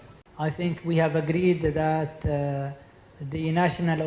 saya pikir kita telah setuju bahwa perusahaan minyak nasional